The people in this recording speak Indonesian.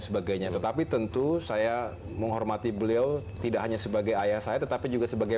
sebagainya tetapi tentu saya menghormati beliau tidak hanya sebagai ayah saya tetapi juga sebagai